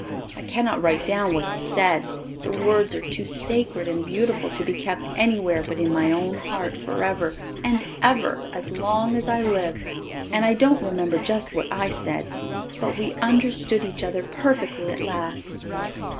I cannot write down what he said the words are too sacred and beautiful to be kept anywhere but in my own heart forever and ever as long as I live. And I don't remember just what I said. But we understood each other perfectly at last.